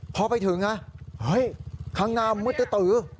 พอไปถึงนะเฮ้ยข้างหน้ามืดตื้อ